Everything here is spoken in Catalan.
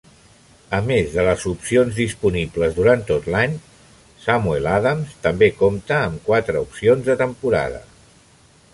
A més de les opcions disponibles durant tot l'any, Samuel Adams també compta amb quatre opcions de temporada.